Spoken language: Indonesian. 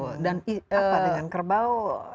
apa dengan kerbau